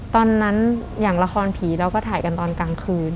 ตอนนั้นอย่างละครผีเราก็ถ่ายกันตอนกลางคืน